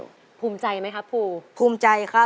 โทษใจโทษใจโทษใจโทษใจโทษใจโทษใจโทษใจโทษใจโทษใจ